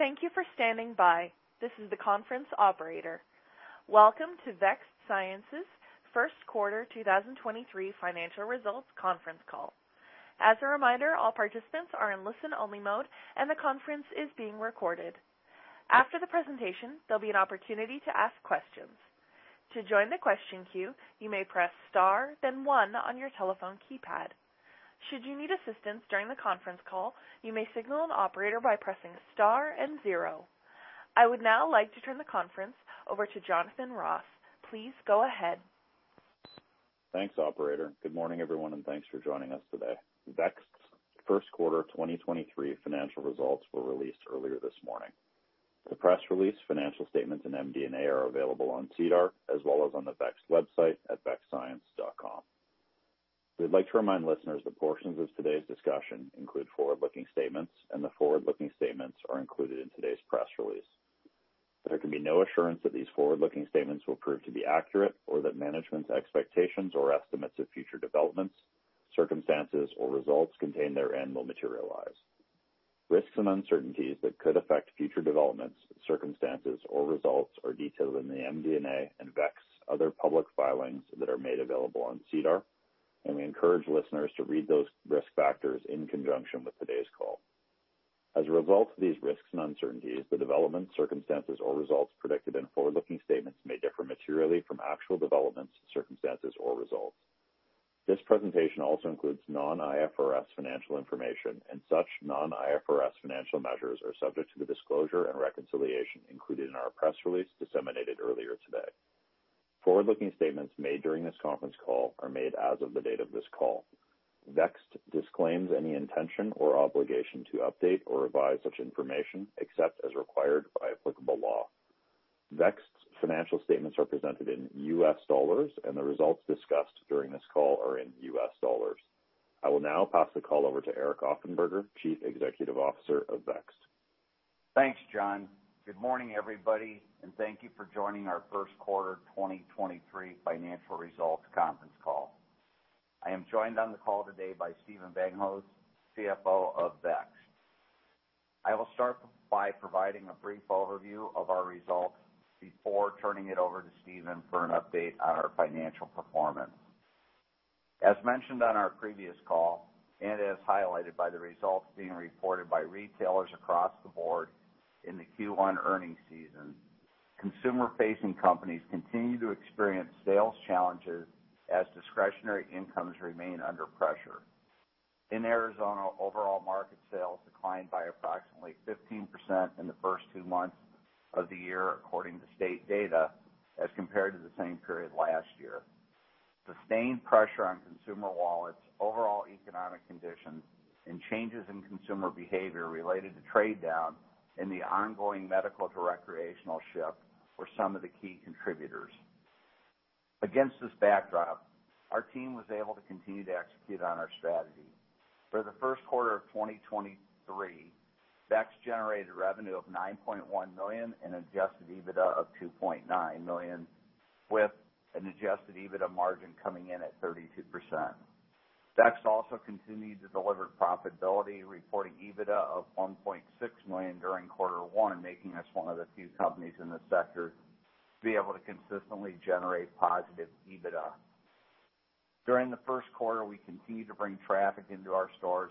Thank you for standing by. This is the conference operator. Welcome to Vext Science's First Quarter 2023 Financial Results conference call. As a reminder, all participants are in listen-only mode, and the conference is being recorded. After the presentation, there'll be an opportunity to ask questions. To join the question queue, you may press Star, then one on your telephone keypad. Should you need assistance during the conference call, you may signal an operator by pressing Star and zero. I would now like to turn the conference over to Jonathan Ross. Please go ahead. Thanks, operator. Good morning, everyone, thanks for joining us today. Vext's first quarter 2023 financial results were released earlier this morning. The press release, financial statements, and MD&A are available on SEDAR as well as on the Vext website at vextscience.com. We'd like to remind listeners that portions of today's discussion include forward-looking statements, the forward-looking statements are included in today's press release. There can be no assurance that these forward-looking statements will prove to be accurate or that management's expectations or estimates of future developments, circumstances, or results contained therein will materialize. Risks and uncertainties that could affect future developments, circumstances, or results are detailed in the MD&A and Vext's other public filings that are made available on SEDAR, we encourage listeners to read those risk factors in conjunction with today's call. As a result of these risks and uncertainties, the developments, circumstances, or results predicted in forward-looking statements may differ materially from actual developments, circumstances, or results. This presentation also includes non-IFRS financial information, and such non-IFRS financial measures are subject to the disclosure and reconciliation included in our press release disseminated earlier today. Forward-looking statements made during this conference call are made as of the date of this call. Vext disclaims any intention or obligation to update or revise such information except as required by applicable law. Vext's financial statements are presented in US dollars, and the results discussed during this call are in US dollars. I will now pass the call over to Eric Offenberger, Chief Executive Officer of Vext. Thanks, John. Good morning, everybody, and thank you for joining our first quarter 2023 financial results conference call. I am joined on the call today by Steven Bankosz, CFO of Vext Science. I will start by providing a brief overview of our results before turning it over to Steven for an update on our financial performance. As mentioned on our previous call, and as highlighted by the results being reported by retailers across the board in the Q1 earnings season, consumer-facing companies continue to experience sales challenges as discretionary incomes remain under pressure. In Arizona, overall market sales declined by approximately 15% in the first 2 months of the year, according to state data, as compared to the same period last year. Sustained pressure on consumer wallets, overall economic conditions, and changes in consumer behavior related to trade-down and the ongoing medical to recreational shift were some of the key contributors. Against this backdrop, our team was able to continue to execute on our strategy. For the first quarter of 2023, Vext generated revenue of $9.1 million and adjusted EBITDA of $2.9 million, with an adjusted EBITDA margin coming in at 32%. Vext also continued to deliver profitability, reporting EBITDA of $1.6 million during quarter one, making us one of the few companies in this sector to be able to consistently generate positive EBITDA. During the first quarter, we continued to bring traffic into our stores,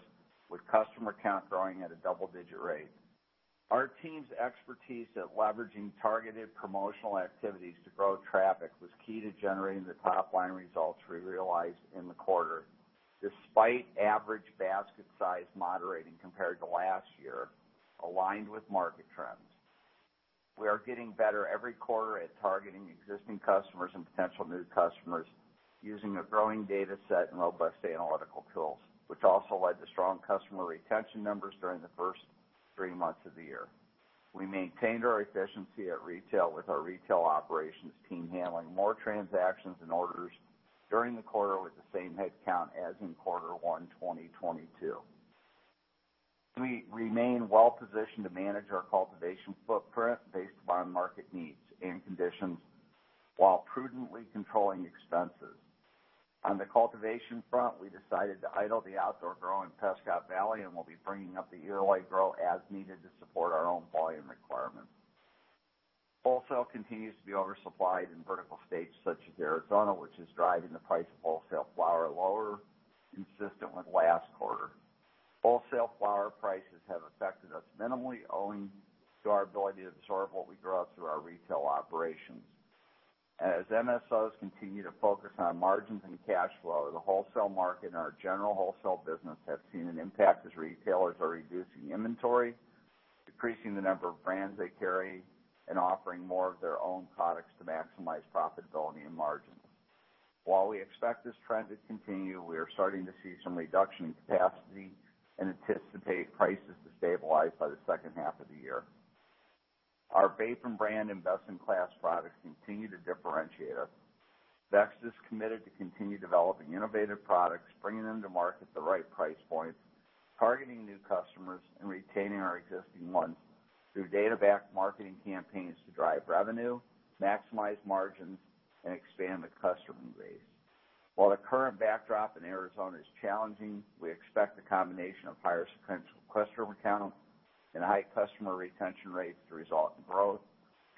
with customer count growing at a double-digit rate. Our team's expertise at leveraging targeted promotional activities to grow traffic was key to generating the top-line results we realized in the quarter, despite average basket size moderating compared to last year, aligned with market trends. We are getting better every quarter at targeting existing customers and potential new customers, using a growing data set and robust analytical tools, which also led to strong customer retention numbers during the first three months of the year. We maintained our efficiency at retail with our retail operations team handling more transactions and orders during the quarter with the same headcount as in quarter one 2022. We remain well positioned to manage our cultivation footprint based upon market needs and conditions while prudently controlling expenses. On the cultivation front, we decided to idle the outdoor grow in Prescott Valley, and we'll be bringing up the Iroquois grow as needed to support our own volume requirements. Wholesale continues to be oversupplied in vertical states such as Arizona, which is driving the price of wholesale flower lower, consistent with last quarter. Wholesale flower prices have affected us minimally, owing to our ability to absorb what we grow through our retail operations. As MSOs continue to focus on margins and cash flow, the wholesale market and our general wholesale business have seen an impact as retailers are reducing inventory, decreasing the number of brands they carry, and offering more of their own products to maximize profitability and margin. While we expect this trend to continue, we are starting to see some reduction in capacity and anticipate prices to stabilize by the second half of the year. Our Vapen brand and best-in-class products continue to differentiate us. Vext is committed to continue developing innovative products, bringing them to market at the right price points, targeting new customers, and retaining our existing ones through data-backed marketing campaigns to drive revenue, maximize margins, and expand the customer base. While the current backdrop in Arizona is challenging, we expect the combination of higher sequential customer count and high customer retention rates to result in growth,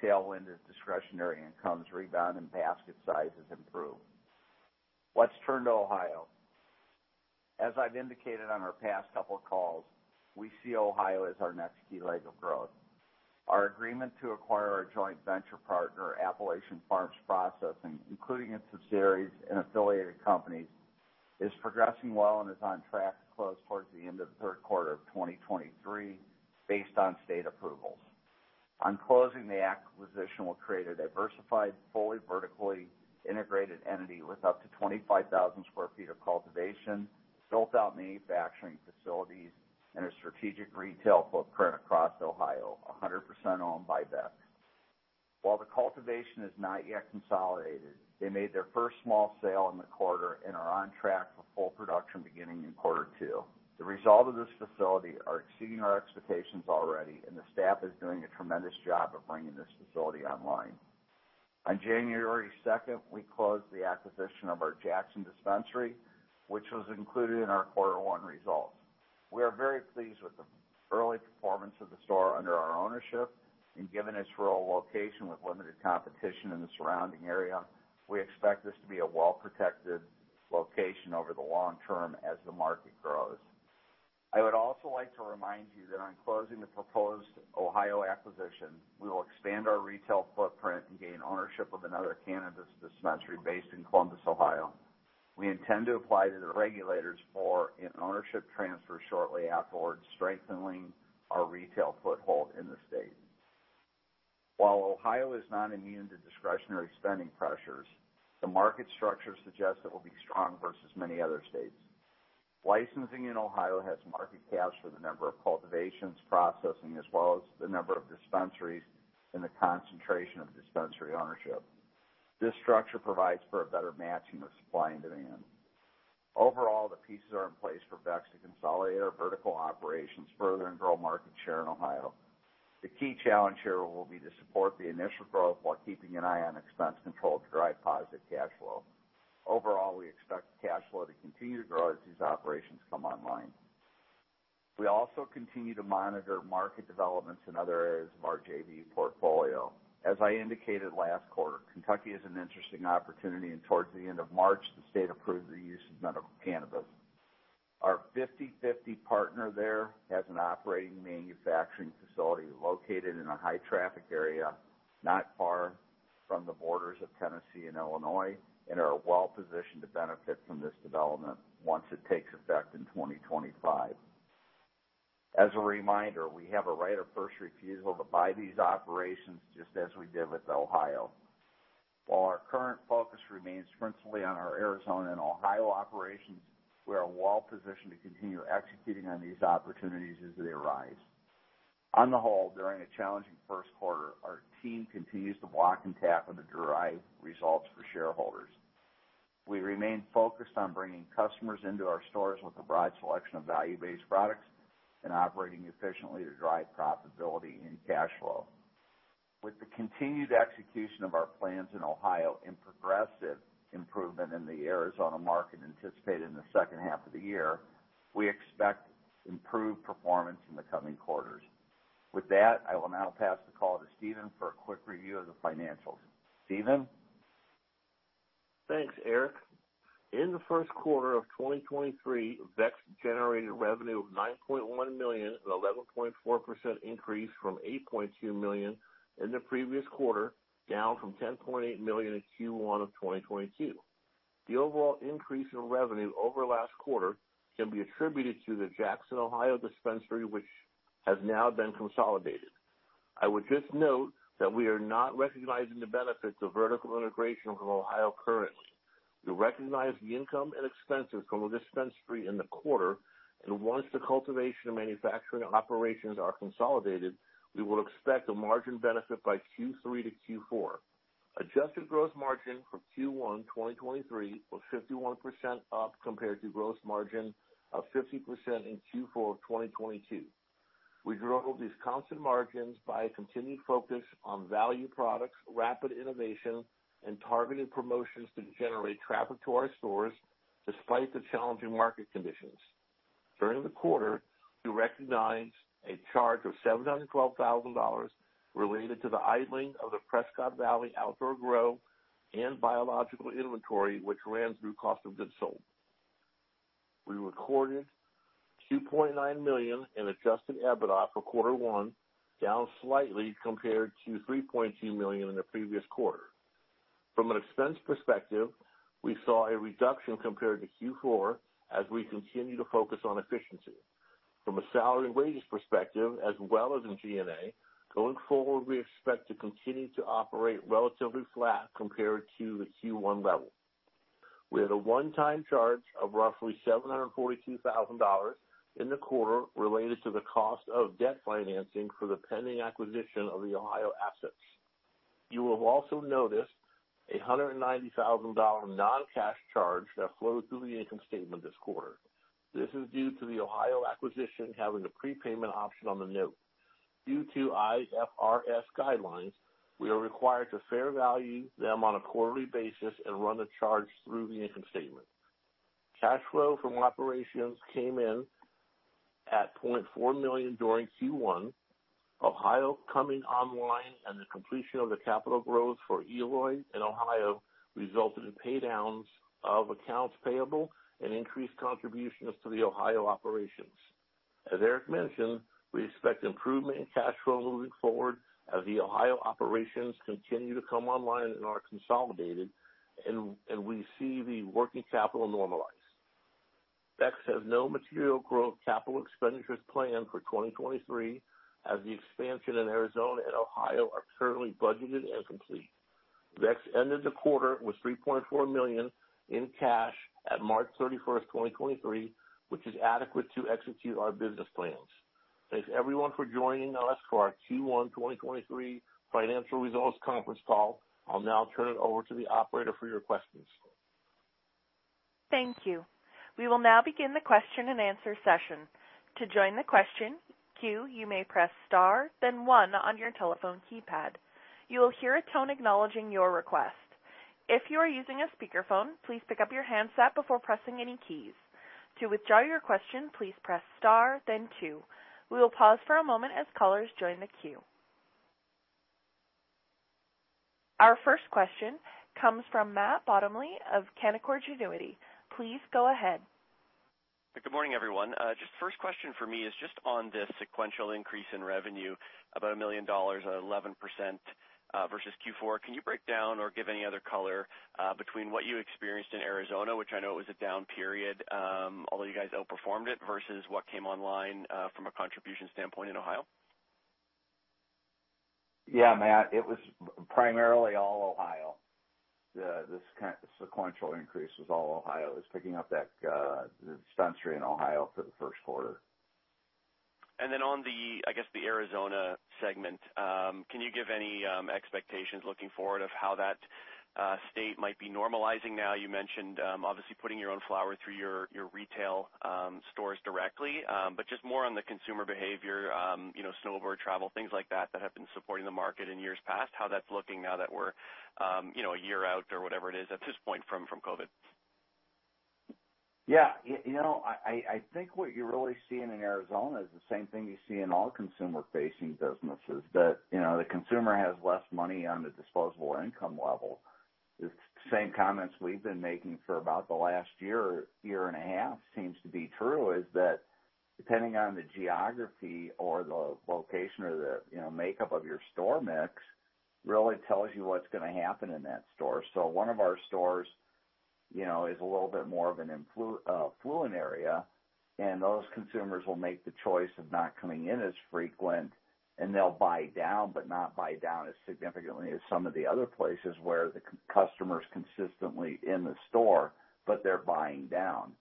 tailwinded discretionary incomes rebound and basket sizes improve. Let's turn to Ohio. As I've indicated on our past couple of calls, we see Ohio as our next key leg of growth. Our agreement to acquire our joint venture partner, Appalachian Pharm Processing, including its subsidiaries and affiliated companies, is progressing well and is on track to close towards the end of Q3 2023, based on state approvals. On closing, the acquisition will create a diversified, fully vertically integrated entity with up to 25,000 sq ft of cultivation, built-out manufacturing facilities, and a strategic retail footprint across Ohio, 100% owned by Vext. While the cultivation is not yet consolidated, they made their first small sale in the quarter and are on track for full production beginning in quarter two. The result of this facility are exceeding our expectations already. The staff is doing a tremendous job of bringing this facility online. On January second, we closed the acquisition of our Jackson dispensary, which was included in our quarter one results. We are very pleased with the early performance of the store under our ownership. Given its rural location with limited competition in the surrounding area, we expect this to be a well-protected location over the long term as the market grows. I would also like to remind you that on closing the proposed Ohio acquisition, we will expand our retail footprint and gain ownership of another cannabis dispensary based in Columbus, Ohio. We intend to apply to the regulators for an ownership transfer shortly afterward, strengthening our retail foothold in the state. While Ohio is not immune to discretionary spending pressures, the market structure suggests it will be strong versus many other states. Licensing in Ohio has market caps for the number of cultivations, processing, as well as the number of dispensaries and the concentration of dispensary ownership. This structure provides for a better matching of supply and demand. Overall, the pieces are in place for Vext to consolidate our vertical operations, further and grow market share in Ohio. The key challenge here will be to support the initial growth while keeping an eye on expense control to drive positive cash flow. Overall, we expect cash flow to continue to grow as these operations come online. We also continue to monitor market developments in other areas of our JV portfolio. As I indicated last quarter, Kentucky is an interesting opportunity, and towards the end of March, the state approved the use of medical cannabis. Our 50/50 partner there has an operating manufacturing facility located in a high traffic area, not far from the borders of Tennessee and Illinois, and are well positioned to benefit from this development once it takes effect in 2025. As a reminder, we have a right of first refusal to buy these operations just as we did with Ohio. While our current focus remains principally on our Arizona and Ohio operations, we are well positioned to continue executing on these opportunities as they arise. On the whole, during a challenging first quarter, our team continues to walk and tap on the derived results for shareholders. We remain focused on bringing customers into our stores with a broad selection of value-based products and operating efficiently to drive profitability and cash flow. With the continued execution of our plans in Ohio and progressive improvement in the Arizona market anticipated in the second half of the year, we expect improved performance in the coming quarters. With that, I will now pass the call to Steven for a quick review of the financials. Steven? Thanks, Eric. In the first quarter of 2023, Vext generated revenue of $9.1 million, an 11.4% increase from $8.2 million in the previous quarter, down from $10.8 million in Q1 2022. The overall increase in revenue over last quarter can be attributed to the Jackson, Ohio, dispensary, which has now been consolidated. I would just note that we are not recognizing the benefits of vertical integration from Ohio currently. We recognize the income and expenses from the dispensary in the quarter, and once the cultivation and manufacturing operations are consolidated, we will expect a margin benefit by Q3 to Q4. Adjusted gross margin from Q1 2023 was 51% up compared to gross margin of 50% in Q4 2022. We drove these constant margins by a continued focus on value products, rapid innovation, and targeted promotions to generate traffic to our stores despite the challenging market conditions. During the quarter, we recognized a charge of $712,000 related to the idling of the Prescott Valley outdoor grow and biological inventory, which ran through cost of goods sold. We recorded $2.9 million in adjusted EBITDA for quarter one, down slightly compared to $3.2 million in the previous quarter. From an expense perspective, we saw a reduction compared to Q4 as we continue to focus on efficiency. From a salary and wages perspective, as well as in G&A, going forward, we expect to continue to operate relatively flat compared to the Q1 level. We had a one-time charge of roughly $742,000 in the quarter related to the cost of debt financing for the pending acquisition of the Ohio assets. You will have also noticed a $190,000 non-cash charge that flowed through the income statement this quarter. This is due to the Ohio acquisition having a prepayment option on the note. due to IFRS guidelines, we are required to fair value them on a quarterly basis and run a charge through the income statement. Cash flow from operations came in at $0.4 million during Q1. Ohio coming online and the completion of the capital growth for Eloy in Ohio resulted in paydowns of accounts payable and increased contributions to the Ohio operations. As Eric mentioned, we expect improvement in cash flow moving forward as the Ohio operations continue to come online and are consolidated, and we see the working capital normalize. Vext has no material growth capital expenditures planned for 2023, as the expansion in Arizona and Ohio are currently budgeted and complete. Vext ended the quarter with $3.4 million in cash at March 31, 2023, which is adequate to execute our business plans. Thanks, everyone, for joining us for our Q1, 2023 financial results conference call. I'll now turn it over to the operator for your questions. Thank you. We will now begin the question-and-answer session. To join the question queue, you may press star, then one on your telephone keypad. You will hear a tone acknowledging your request. If you are using a speakerphone, please pick up your handset before pressing any keys. To withdraw your question, please press star, then two. We will pause for a moment as callers join the queue. Our first question comes from Matt Bottomley of Canaccord Genuity. Please go ahead. Good morning, everyone. Just first question for me is just on the sequential increase in revenue, about $1 million at 11% versus Q4. Can you break down or give any other color between what you experienced in Arizona, which I know it was a down period, although you guys outperformed it, versus what came online from a contribution standpoint in Ohio? Yeah, Matt, it was primarily all Ohio. The sequential increase was all Ohio. It was picking up that dispensary in Ohio for the first quarter. On the, I guess, the Arizona segment, can you give any expectations looking forward of how that state might be normalizing now? You mentioned, obviously, putting your own flower through your retail stores directly, but just more on the consumer behavior, you know, snowboard travel, things like that have been supporting the market in years past, how that's looking now that we're, you know, a year out or whatever it is at this point from COVID? Yeah, you know, I think what you're really seeing in Arizona is the same thing you see in all consumer-facing businesses, that, you know, the consumer has less money on the disposable income level. It's the same comments we've been making for about the last year and a half, seems to be true, is that depending on the geography or the location or the, you know, makeup of your store mix, really tells you what's going to happen in that store. One of our stores, you know, is a little bit more of an affluent area, and those consumers will make the choice of not coming in as frequent, and they'll buy down, but not buy down as significantly as some of the other places where the customer's consistently in the store, but they're buying down.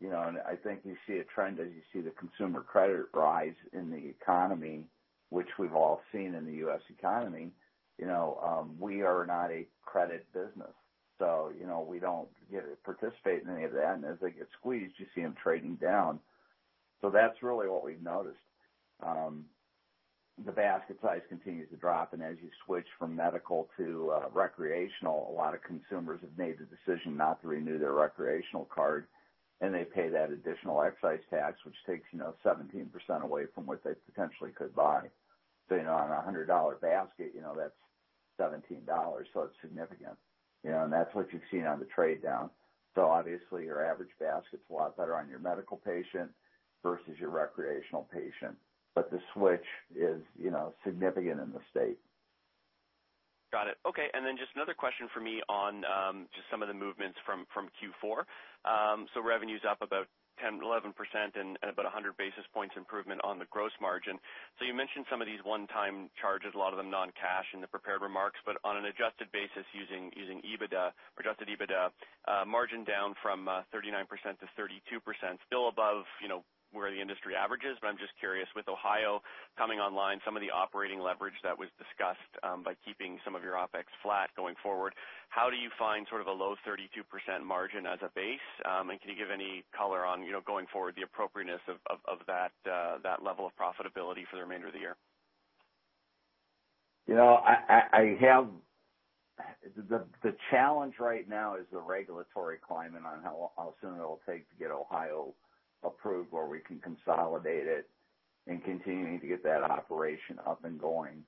You know, I think you see a trend as you see the consumer credit rise in the economy, which we've all seen in the US economy. You know, we are not a credit business, so, you know, we don't get to participate in any of that. As they get squeezed, you see them trading down. That's really what we've noticed. The basket size continues to drop, and as you switch from medical to recreational, a lot of consumers have made the decision not to renew their recreational card, and they pay that additional excise tax, which takes, you know, 17% away from what they potentially could buy. You know, on a $100 basket, you know, that's $17, so it's significant. You know, that's what you've seen on the trade down. Obviously, your average basket is a lot better on your medical patient versus your recreational patient, but the switch is, you know, significant in the state. Got it. Okay. Just another question for me on just some of the movements from Q4. Revenue's up about 10-11% and about 100 basis points improvement on the gross margin. You mentioned some of these one-time charges, a lot of them non-cash in the prepared remarks, but on an adjusted basis, using EBITDA or adjusted EBITDA, margin down from 39% to 32%. Still above, you know, where the industry averages, but I'm just curious, with Ohio coming online, some of the operating leverage that was discussed by keeping some of your OpEx flat going forward, how do you find sort of a low 32% margin as a base? Can you give any color on, you know, going forward, the appropriateness of that level of profitability for the remainder of the year? You know, the challenge right now is the regulatory climate on how soon it'll take to get Ohio approved, where we can consolidate it and continuing to get that operation up and going.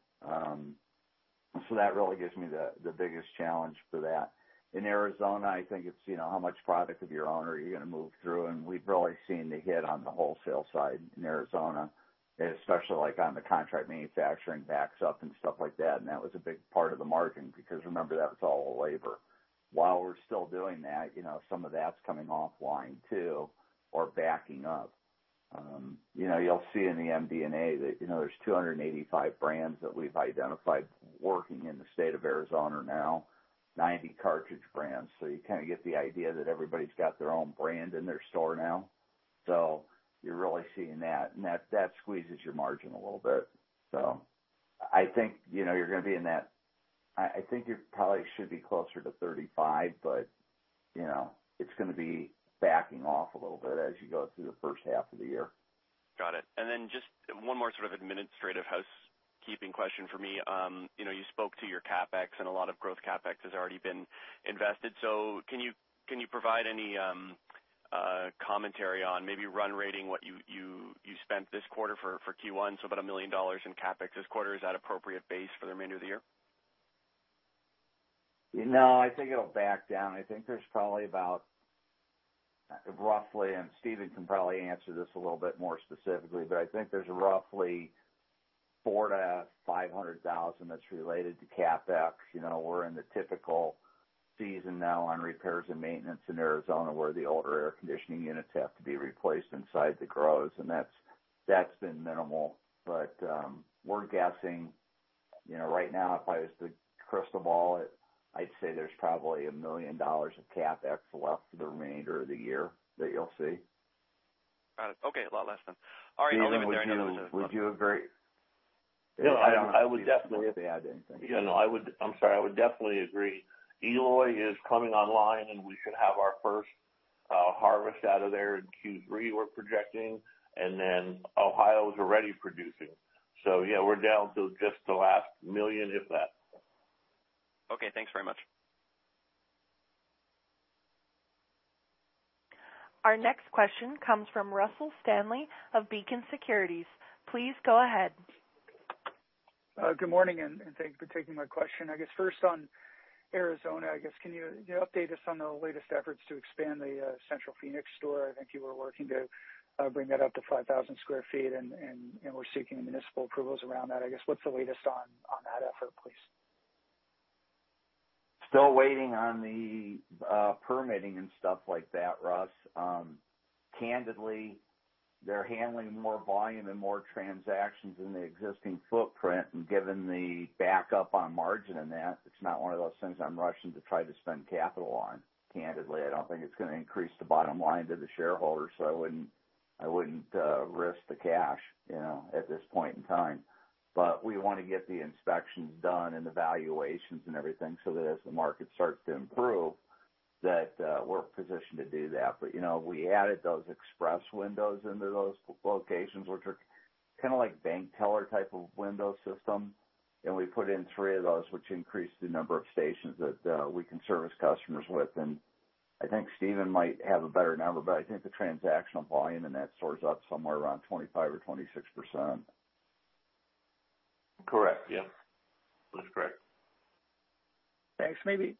That really gives me the biggest challenge for that. In Arizona, I think it's, you know, how much product of your own are you going to move through? We've really seen the hit on the wholesale side in Arizona, especially, like, on the contract manufacturing backs up and stuff like that, and that was a big part of the margin because remember, that was all labor. While we're still doing that, you know, some of that's coming offline too, or backing up. You know, you'll see in the MD&A that, you know, there's 285 brands that we've identified working in the state of Arizona now, 90 cartridge brands. You kind of get the idea that everybody's got their own brand in their store now. You're really seeing that squeezes your margin a little bit. I think, you know, I think it probably should be closer to 35%, but, you know, it's gonna be backing off a little bit as you go through the first half of the year. Got it. Then just one more sort of administrative housekeeping question for me. you know, you spoke to your CapEx, and a lot of growth CapEx has already been invested. Can you provide any commentary on maybe run rating, what you spent this quarter for Q1, so about $1 million in CapEx this quarter, is that appropriate base for the remainder of the year? No, I think it'll back down. I think there's probably about, roughly, and Steven can probably answer this a little bit more specifically, but I think there's roughly $400,000-$500,000 that's related to CapEx. You know, we're in the typical season now on repairs and maintenance in Arizona, where the older air conditioning units have to be replaced inside the grows, and that's been minimal. We're guessing, you know, right now, if I was to crystal ball it, I'd say there's probably $1 million of CapEx left for the remainder of the year that you'll see. Got it. Okay, a lot less then. All right, I'll leave it there. Would you agree? No, I would. May add in, thanks. You know, I'm sorry, I would definitely agree. Eloy is coming online, and we should have our first harvest out of there in Q3, we're projecting, and then Ohio is already producing. Yeah, we're down to just the last $1 million, if that. Okay, thanks very much. Our next question comes from Russell Stanley of Beacon Securities. Please go ahead. Good morning, and thank you for taking my question. First on Arizona, can you update us on the latest efforts to expand the central Phoenix store? I think you were working to bring that up to 5,000 sq ft and were seeking municipal approvals around that. What's the latest on that effort, please? Still waiting on the permitting and stuff like that, Russ. Candidly, they're handling more volume and more transactions in the existing footprint, and given the backup on margin in that, it's not one of those things I'm rushing to try to spend capital on. Candidly, I don't think it's gonna increase the bottom line to the shareholders, so I wouldn't risk the cash, you know, at this point in time. We want to get the inspections done and the valuations and everything so that as the market starts to improve, that we're positioned to do that. You know, we added those express windows into those locations, which are kind of like bank teller type of window system, and we put in three of those, which increased the number of stations that we can service customers with. I think Steven might have a better number, but I think the transactional volume in that soars up somewhere around 25% or 26%. Correct. Yep, that's correct. Thanks. Maybe,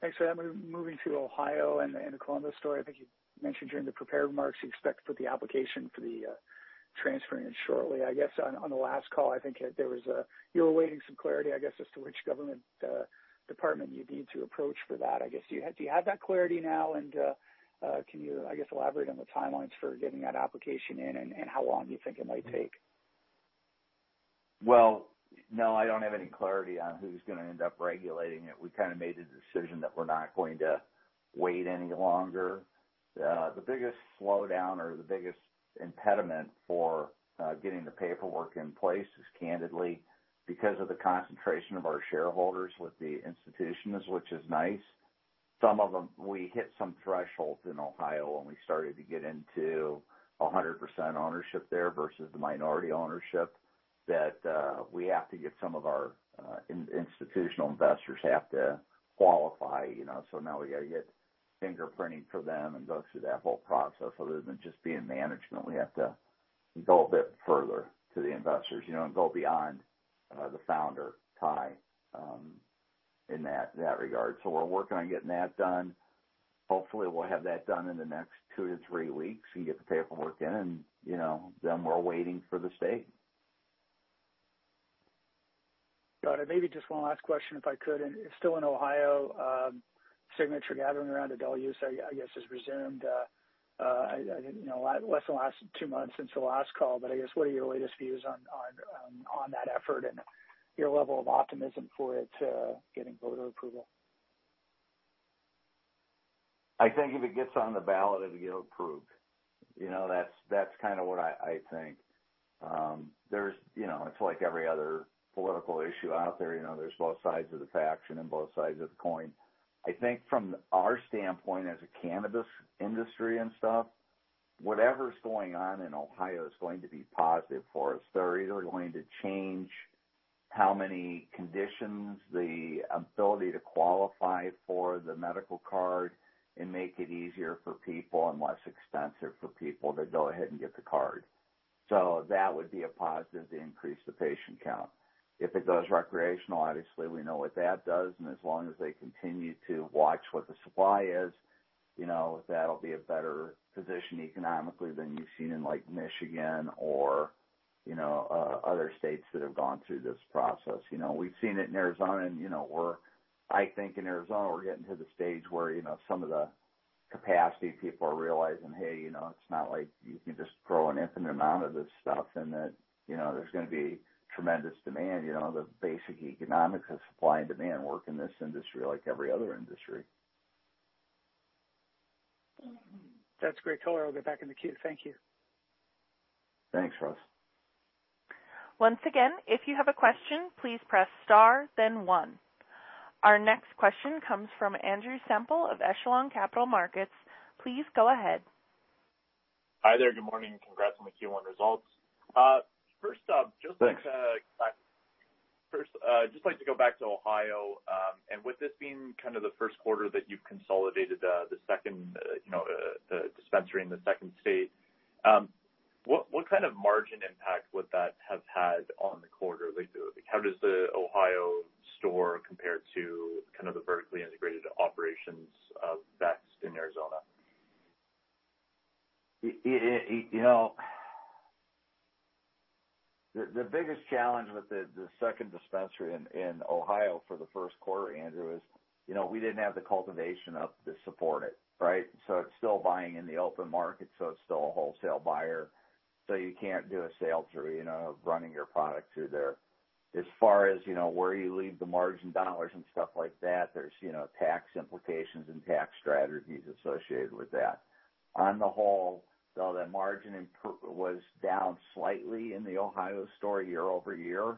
thanks for that. Moving to Ohio and the Columbus store, I think you mentioned during the prepared remarks, you expect to put the application for the transfer in shortly. I guess, on the last call, I think you were awaiting some clarity, I guess, as to which government department you need to approach for that. I guess, do you have that clarity now? Can you, I guess, elaborate on the timelines for getting that application in and how long you think it might take? Well, no, I don't have any clarity on who's gonna end up regulating it. We kind of made a decision that we're not going to wait any longer. The biggest slowdown or the biggest impediment for getting the paperwork in place is candidly because of the concentration of our shareholders with the institutions, which is nice. Some of them, we hit some thresholds in Ohio, and we started to get into 100% ownership there versus the minority ownership, that we have to get some of our institutional investors have to qualify, you know. Now we gotta get fingerprinting for them and go through that whole process. Other than just being management, we have to go a bit further to the investors, you know, and go beyond the founder tie in that regard. We're working on getting that done. Hopefully, we'll have that done in the next two to three weeks and get the paperwork in, and, you know, then we're waiting for the state. Got it. Maybe just 1 last question, if I could. It's still in Ohio, signature gathering around adult use, I guess, has resumed, you know, less than the last 2 months since the last call. I guess, what are your latest views on that effort and your level of optimism for it getting voter approval? I think if it gets on the ballot, it'll get approved. You know, that's kind of what I think. There's, you know, it's like every other political issue out there, you know, there's both sides of the faction and both sides of the coin. I think from our standpoint as a cannabis industry and stuff, whatever's going on in Ohio is going to be positive for us. They're either going to change how many conditions, the ability to qualify for the medical card and make it easier for people and less expensive for people to go ahead and get the card. That would be a positive to increase the patient count. If it goes recreational, obviously, we know what that does, and as long as they continue to watch what the supply is, you know, that'll be a better position economically than you've seen in, like, Michigan or, you know, other states that have gone through this process. You know, we've seen it in Arizona. You know, I think in Arizona, we're getting to the stage where, you know, some of the capacity people are realizing, hey, you know, it's not like you can just grow an infinite amount of this stuff and that, you know, there's gonna be tremendous demand. You know, the basic economics of supply and demand work in this industry like every other industry. That's great color. I'll get back in the queue. Thank you. Thanks, Russ. Once again, if you have a question, please press star, then one. Our next question comes from Andrew Semple of Echelon Capital Markets. Please go ahead. Hi there. Good morning, and congrats on the Q1 results. First up, just like. Thanks. First, I'd just like to go back to Ohio. With this being kind of the first quarter that you've consolidated, the second, you know, the dispensary in the second state, what kind of margin impact would that have had on the quarter lately? How does the Ohio store compare to kind of the vertically integrated operations, VEX in Arizona? It, you know, the biggest challenge with the 2nd dispensary in Ohio for the 1st quarter, Andrew, is, you know, we didn't have the cultivation up to support it, right? It's still buying in the open market, so it's still a wholesale buyer. You can't do a sale through, you know, running your product through there. As far as, you know, where you leave the margin dollars and stuff like that, there's, you know, tax implications and tax strategies associated with that. On the whole, though, that margin was down slightly in the Ohio store year-over-year,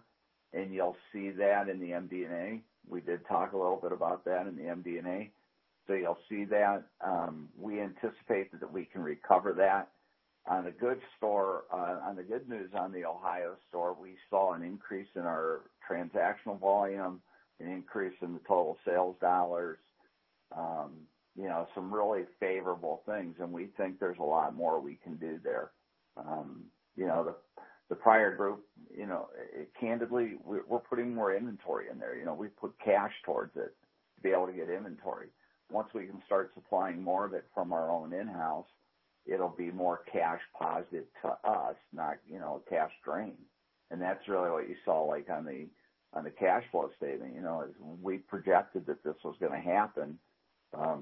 and you'll see that in the MD&A. We did talk a little bit about that in the MD&A, you'll see that. We anticipate that we can recover that. On the good store, on the good news on the Ohio store, we saw an increase in our transactional volume, an increase in the total sales $, you know, some really favorable things. We think there's a lot more we can do there. You know, the prior group, you know, candidly, we're putting more inventory in there. You know, we've put cash towards it to be able to get inventory. Once we can start supplying more of it from our own in-house, it'll be more cash positive to us, not, you know, a cash drain. That's really what you saw, like, on the, on the cash flow statement. You know, we projected that this was gonna happen,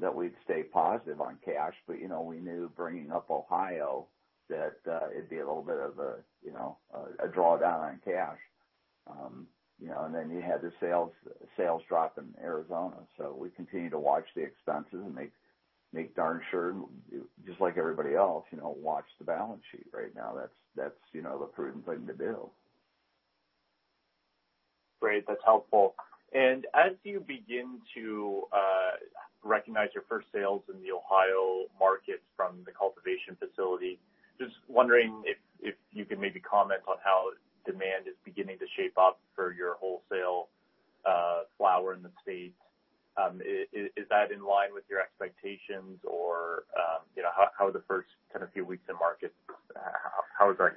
that we'd stay positive on cash, but, you know, we knew bringing up Ohio, that it'd be a little bit of a, you know, a drawdown on cash. You know, you had the sales drop in Arizona. We continue to watch the expenses and make darn sure, just like everybody else, you know, watch the balance sheet right now. That's, you know, the prudent thing to do. Great, that's helpful. As you begin to recognize your first sales in the Ohio markets from the cultivation facility, just wondering if you can maybe comment on how demand is beginning to shape up for your wholesale flower in the state. Is that in line with your expectations or, you know, how are the first kind of few weeks in market, how is that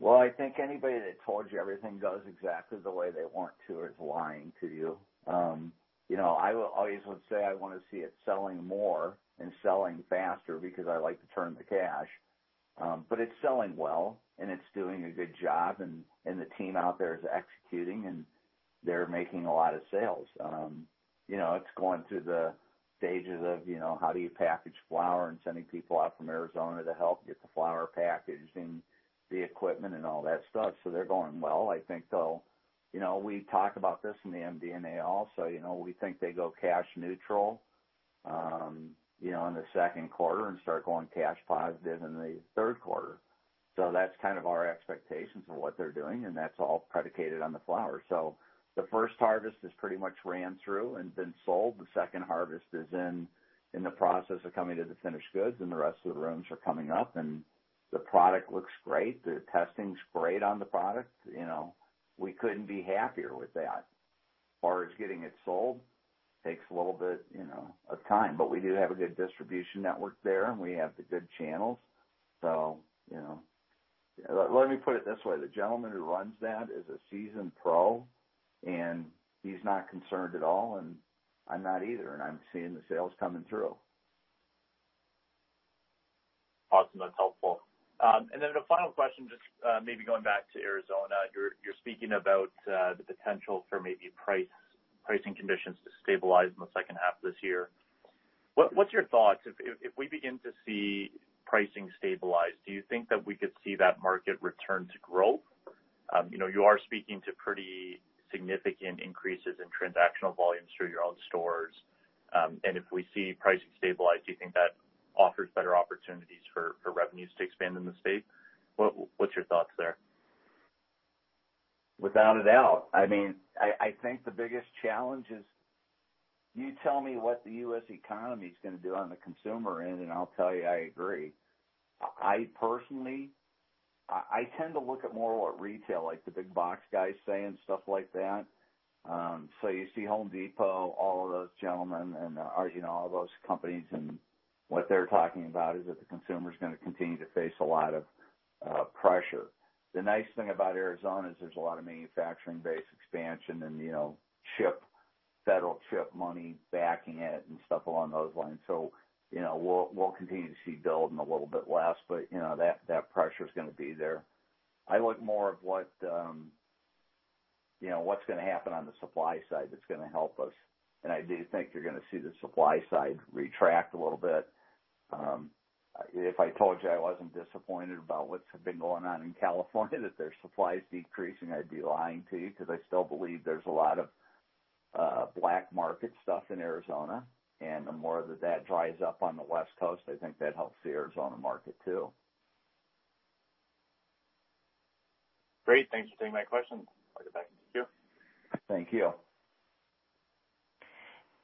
going? I think anybody that told you everything goes exactly the way they want it to is lying to you. You know, I will always would say I want to see it selling more and selling faster because I like to turn the cash. It's selling well, and it's doing a good job, and the team out there is executing, and they're making a lot of sales. You know, it's going through the stages of, you know, how do you package flower and sending people out from Arizona to help get the flower packaged and the equipment and all that stuff. They're going well. You know, we talked about this in the MD&A also, you know, we think they go cash neutral, you know, in the second quarter and start going cash positive in the third quarter. That's kind of our expectations of what they're doing, and that's all predicated on the flower. The first harvest is pretty much ran through and been sold. The second harvest is in the process of coming to the finished goods, and the rest of the rooms are coming up, and the product looks great. The testing's great on the product. You know, we couldn't be happier with that. Far as getting it sold, takes a little bit, you know, of time, but we do have a good distribution network there, and we have the good channels. You know, let me put it this way: the gentleman who runs that is a seasoned pro, and he's not concerned at all, and I'm not either, and I'm seeing the sales coming through. Awesome. That's helpful. The final question, just maybe going back to Arizona. You're speaking about the potential for maybe pricing conditions to stabilize in the second half of this year. What's your thoughts? If we begin to see pricing stabilize, do you think that we could see that market return to growth? You know, you are speaking to pretty significant increases in transactional volumes through your own stores. If we see pricing stabilize, do you think that offers better opportunities for revenues to expand in the state? What's your thoughts there? Without a doubt. I mean, I think the biggest challenge is, you tell me what the U.S. economy is gonna do on the consumer end, and I'll tell you I agree. I personally, I tend to look at more what retail, like the big box guys say, and stuff like that. You see Home Depot, all of those gentlemen, and, you know, all those companies, and what they're talking about is that the consumer is gonna continue to face a lot of pressure. The nice thing about Arizona is there's a lot of manufacturing-based expansion and, you know, chip, federal chip money backing it and stuff along those lines. You know, we'll continue to see building a little bit less, but, you know, that pressure is gonna be there. I look more of what, you know, what's gonna happen on the supply side that's gonna help us, and I do think you're gonna see the supply side retract a little bit. If I told you I wasn't disappointed about what's been going on in California, that their supply is decreasing, I'd be lying to you, because I still believe there's a lot of black market stuff in Arizona, and the more that that dries up on the West Coast, I think that helps the Arizona market, too. Great. Thanks for taking my questions. I'll get back to you. Thank you.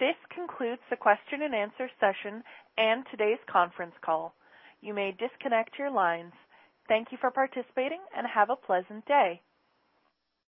This concludes the question and answer session and today's conference call. You may disconnect your lines. Thank you for participating, and have a pleasant day.